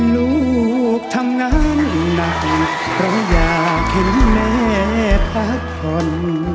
ลูกทำงานหนักเพราะอยากเห็นแม่พักผ่อน